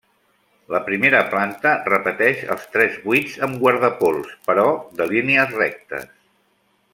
La primera planta repeteix els tres buits amb guardapols, però de línies rectes.